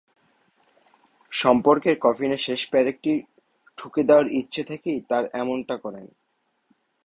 সম্পর্কের কফিনে শেষ পেরেকটি ঠুকে দেওয়ার ইচ্ছে থেকেই তাঁরা এমনটা করেন।